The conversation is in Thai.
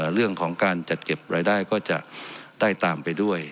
เรื่องของการจัดเก็บรายได้ก็จะได้ตามไปด้วย